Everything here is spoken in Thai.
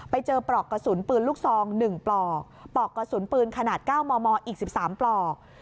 ปลอกกระสุนปืนลูกซอง๑ปลอกปลอกกระสุนปืนขนาด๙มมอีก๑๓ปลอก